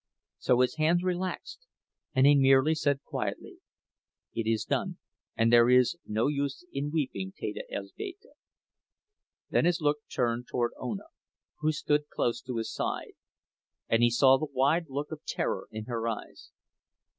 So his hands relaxed and he merely said quietly: "It is done, and there is no use in weeping, Teta Elzbieta." Then his look turned toward Ona, who stood close to his side, and he saw the wide look of terror in her eyes.